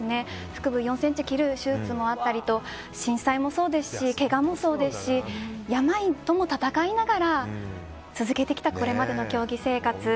腹部４ｃｍ切る手術もあったりと震災もそうですしけがもそうですし病とも闘いながら続けてきたこれまでの競技生活。